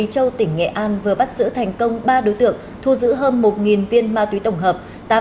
quây tỉnh nghệ an vừa bắt giữ thành công ba đối tượng thu giữ hơn một viên ma túy tổng hợp